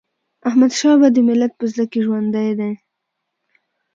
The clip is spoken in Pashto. احمدشاه بابا د ملت په زړه کي ژوندی دی.